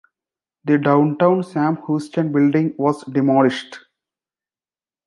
The Downtown Sam Houston building was demolished.